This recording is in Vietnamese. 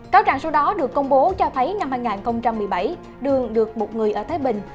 cáo trạng số đó được công bố cho thấy năm hai nghìn một mươi bảy đường được một người ở thái bình